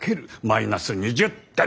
マイナス２０点。